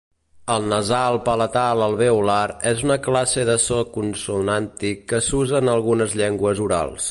El nasal palatal alveolar és una classe de so consonàntic que s'usa en algunes llengües orals.